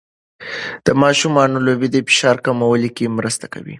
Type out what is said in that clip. د ماشومانو لوبې د فشار کمولو کې مرسته کوي.